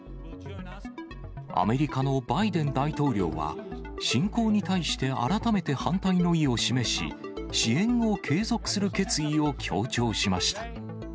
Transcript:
アメリカのバイデン大統領は、侵攻に対して改めて反対の意を示し、支援を継続する決意を強調しました。